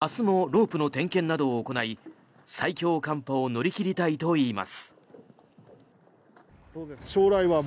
小林さんらは明日もロープの点検などを行い最強寒波を乗り切りたいといいます。